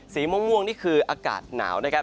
สีม่วงนี่คืออากาศหนาวนะครับ